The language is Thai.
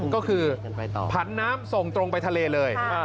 ก็คือผันน้ำส่งตรงไปทะเลเลย